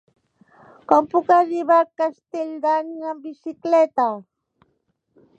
Com puc arribar a Castelldans amb bicicleta?